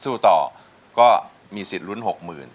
สู้ต่อก็มีสิทธิ์ลุ้น๖๐๐๐